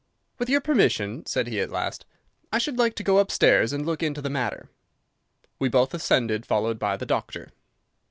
"With your permission," said he at last, "I should like to go upstairs and look into the matter." We both ascended, followed by the doctor.